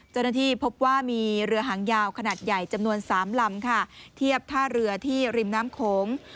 เจ้าหน้าที่พบว่ามีเรือหางยาวขนาดใหญ่จำนวน๓ลำค่ะเทียบท่าเรือที่ริมน้ำโขง